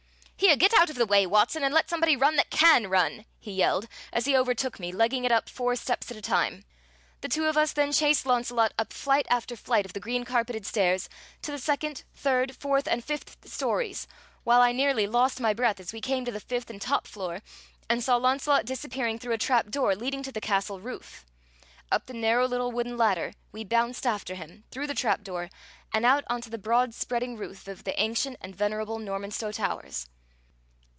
"Here, get out of the way, Watson, and let somebody run that can run!" he yelled, as he overtook me, legging it up four steps at a time. The two of us then chased Launcelot up flight after flight of the green carpeted stairs, to the second, third, fourth, and fifth stories, while I nearly lost my breath as we came to the fifth and top floor and saw Launcelot disappearing through a trapdoor leading to the castle roof. Up the narrow little wooden ladder we bounced after him, through the trapdoor, and out onto the broad spreading roof of the ancient and venerable Normanstow Towers.